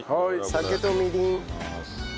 酒とみりん。